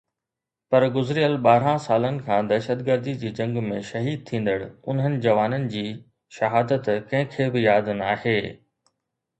پر گذريل ٻارهن سالن کان دهشتگردي جي جنگ ۾ شهيد ٿيندڙ انهن جوانن جي شهادت ڪنهن کي به ياد ناهي.